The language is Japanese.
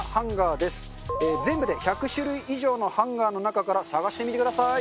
全部で１００種類以上のハンガーの中から探してみてください。